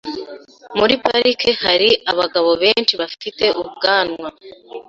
Muri parike hari abagabo benshi bafite ubwanwa.